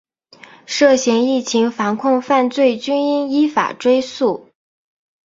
涉嫌疫情防控犯罪均应依法追诉